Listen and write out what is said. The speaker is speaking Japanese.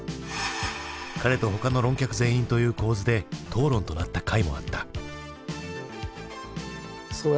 彼と他の論客全員という構図で討論となった回もあった。